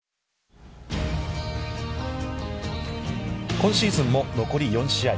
今シーズンも残り４試合。